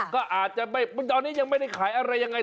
ก็อาจจะตอนนี้ยังไม่ได้ขายอะไรยังไง